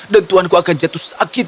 dan tuanku akan jatuh sakit